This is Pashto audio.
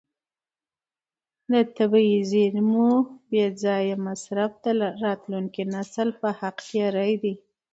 د طبیعي زیرمو بې ځایه مصرف د راتلونکي نسل په حق تېری دی.